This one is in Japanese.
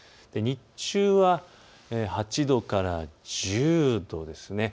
日中は、８度から１０度です。